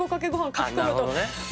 かき込むと。